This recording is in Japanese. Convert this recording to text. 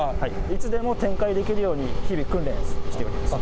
いつでも展開できるように、日々訓練しております。